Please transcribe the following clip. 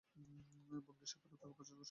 বঙ্গীয় সাক্ষরতা প্রসার সমিতি এই মেলার আয়োজক।